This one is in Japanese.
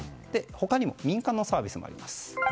他にも民間のサービスもあります。